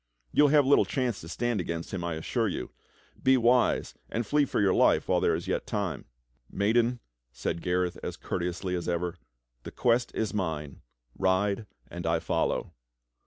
You will have little chance to stand against him, I assure you. Be wise and flee for your life while there is yet time." "Maiden," said Gareth as courteously as ever, "the quest is mine. Ride and I follow."